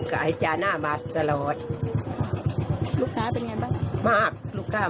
คิดจะปรับเพิ่มราคาไหมครับ